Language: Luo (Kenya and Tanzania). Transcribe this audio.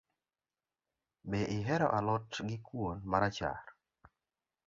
Be ihero a lot gi kuon marachar.